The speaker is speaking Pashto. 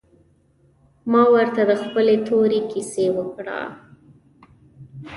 ما ورته د خپلې تورې کيسه وکړه.